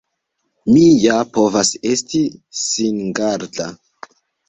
Mi ja povas esti singarda!